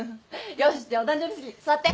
よしじゃあお誕生日席座って。